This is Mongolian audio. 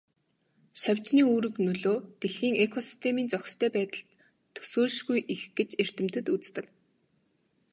Шавжны үүрэг нөлөө дэлхийн экосистемийн зохистой байдалд төсөөлшгүй их гэж эрдэмтэд үздэг.